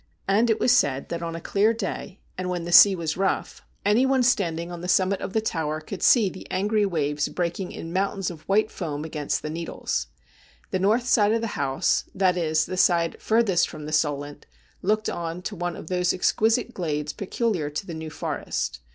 And it was said that on a clear day, and when the sea was rough, anyone THE BELL OF DOOM 247 standing on the summit of the tower could see the angry waves breaking in mountains of white foam against the Needles. The north side of the house, that is, the side furthest from the Solent, looked on to one of those exquisite glades peculiar to the New Forest.